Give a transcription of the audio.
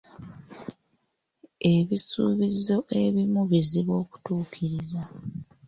Ebisuubizo ebimu bizibu okutuukiriza.